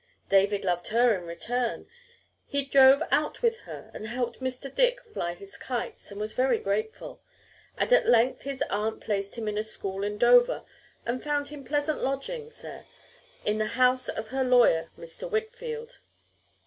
David loved her in return. He drove out with her and helped Mr. Dick fly his kites and was very grateful. And at length his aunt placed him in a school in Dover and found him pleasant lodgings there in the house of her lawyer, Mr. Wickfield.